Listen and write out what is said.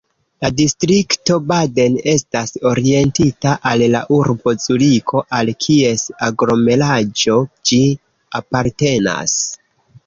La distrikto Baden estas orientita al la urbo Zuriko al kies aglomeraĵo ĝi apartenas.